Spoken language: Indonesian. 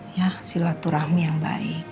ya silaturahmi yang baik